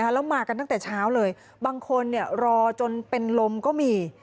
แล้วมากันตั้งแต่เช้าเลยบางคนรอจนเป็นลมก็มี